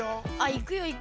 「行くよ行くよ」？